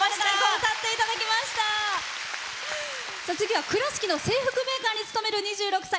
次は、倉敷の制服メーカーに勤める２６歳。